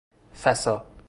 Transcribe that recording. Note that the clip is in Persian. فسا